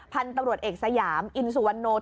พันธุ์ตำรวจเอกสยามอินสุวรรณโน